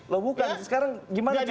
lo bukan sekarang gimana caranya